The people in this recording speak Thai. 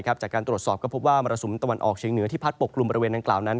จากการตรวจสอบก็พบว่ามรสุมตะวันออกเชียงเหนือที่พัดปกกลุ่มบริเวณดังกล่าวนั้น